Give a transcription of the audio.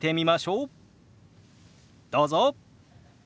どうぞ。